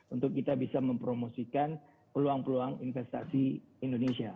untuk kita bisa mempromosikan peluang peluang investasi indonesia